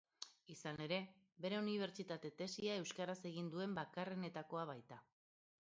Izan ere, bere unibertsitate tesia euskaraz egin duen bakarrenetakoa baita.